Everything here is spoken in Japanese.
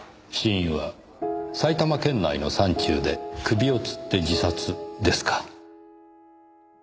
死因は埼玉県内の山中で首をつって自殺ですか。